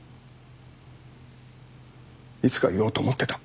いつか言おうと思ってた。